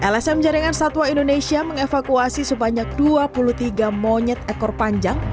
lsm jaringan satwa indonesia mengevakuasi sebanyak dua puluh tiga monyet ekor panjang